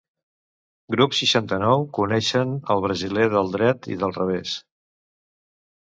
Grup seixanta-nou coneixen el brasiler del dret i del revés.